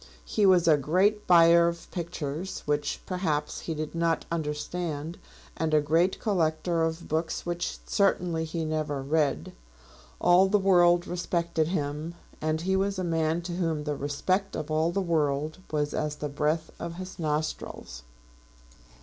He was a great buyer of pictures, which, perhaps, he did not understand, and a great collector of books which certainly he never read. All the world respected him, and he was a man to whom the respect of all the world was as the breath of his nostrils.